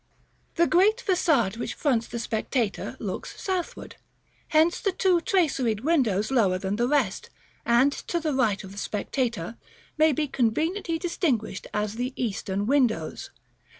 § V. The great façade which fronts the spectator looks southward. Hence the two traceried windows lower than the rest, and to the right of the spectator, may be conveniently distinguished as the "Eastern Windows."